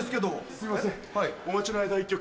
すいませんお待ちの間１曲。